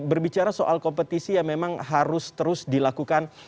berbicara soal kompetisi yang memang harus terus dilakukan